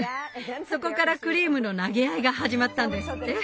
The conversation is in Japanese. そこからクリームの投げ合いが始まったんですって。